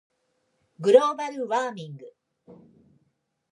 global warming